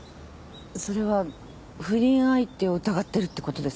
それは不倫相手を疑ってるってことですか？